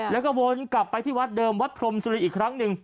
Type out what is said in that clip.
แล้วก็วนกลับไปที่วัดเดิมวัดพรมสุรินอีกครั้งหนึ่ง